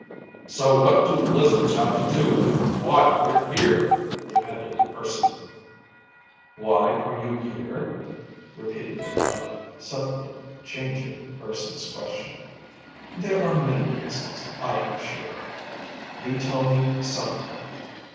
"So what do lizards have to do with why we're here?" demanded Urson. "Why are you here?" repeated the god, subtly changing Urson's question. "There are many reasons, I am sure. You tell me some of them."